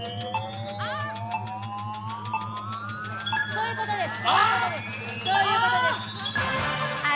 そういうことです。